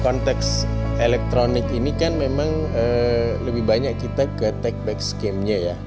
konteks elektronik ini kan memang lebih banyak kita ke take back scam nya ya